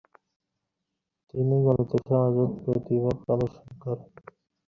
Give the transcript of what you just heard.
তিনি জ্যোতির্বিজ্ঞান চর্চার ইচ্ছা পূরণ করতে সক্ষম হন।